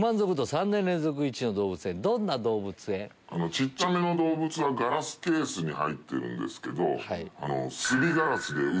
小っちゃめの動物はガラスケースに入ってるけど。